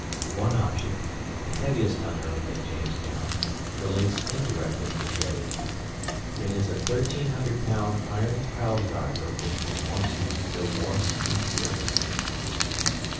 One object, the heaviest unearthed at Jamestown, relates indirectly to trade. It is a 1,300 pound iron piledriver which was once used to build wharfs and piers.